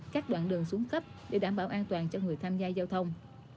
các đoạn đường xuống cấp để đảm bảo an toàn cho người tham gia giao thông